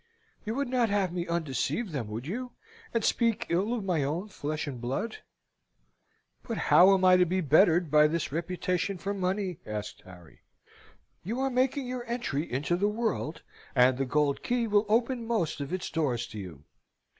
You would not have had me undeceive them, would you, and speak ill of my own flesh and blood?" "But how am I bettered by this reputation for money?" asked Harry. "You are making your entry into the world, and the gold key will open most of its doors to you.